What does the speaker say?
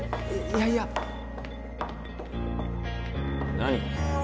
いやいや何？